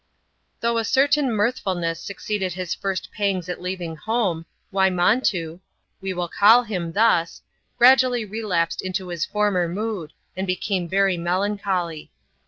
Though a certain mirthfulness succeeded his first pangs at leaving home, Wjmontoo — we will call him thus — gradually relapsed into his former mood, and became very melancholy.